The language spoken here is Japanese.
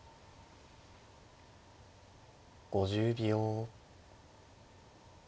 ５０秒。